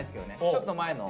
ちょっと前の。